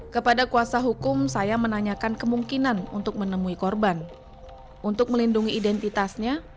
kepada kuasa hukum saya menanyakan kemungkinan untuk menemui korban untuk melindungi identitasnya